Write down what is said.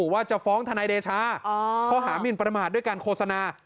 ว่าจะฟ้องทนายเดชาข้อหามินประมาทด้วยการโฆษณา